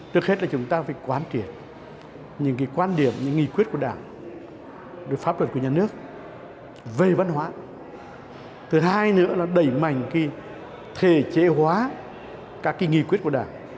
thứ hai nữa là đẩy mạnh thể chế hóa các nghị quyết của đảng